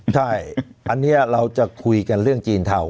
ใช่อันนี้เราจะคุยกันเรื่องจีนเทา